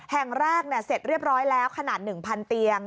แห่งแรกเสร็จเรียบร้อยแล้วขนาด๑๐๐เตียง